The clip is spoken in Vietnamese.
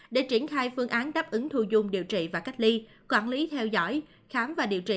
để triển khai phương án đáp ứng thu dung điều trị và cách ly quản lý theo dõi khám và điều trị